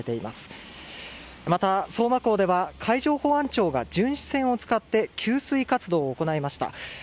また相馬港では海上保安庁が巡視船を使って給水活動を行いました。